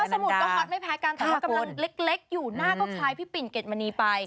สมุทรก็ฮอตไม่แพ้กันแต่ว่ากำลังเล็กอยู่หน้าก็คล้ายพี่ปิ่นเกดมณีไป